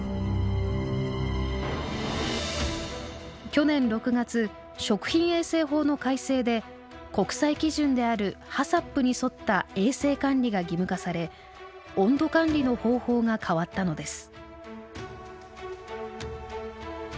去年６月食品衛生法の改正で国際基準であるＨＡＣＣＰに沿った衛生管理が義務化され温度管理の方法が変わったのです。